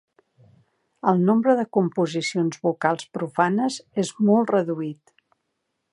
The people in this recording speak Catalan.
El nombre de composicions vocals profanes és molt reduït.